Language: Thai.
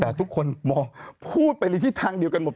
แต่ทุกคนพูดไปที่ทางเดียวกันหมด